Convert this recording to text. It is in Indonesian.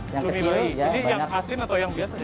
cumi bayi jadi yang asin atau yang biasa